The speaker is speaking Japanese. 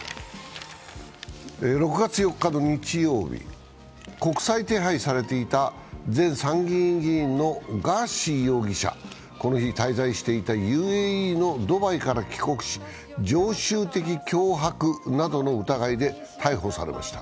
６月４日の日曜日、国際手配されていた前参議院議員のガーシー容疑者、この日滞在していたＵＡＥのドバイから帰国し、常習的脅迫などの疑いで逮捕されました。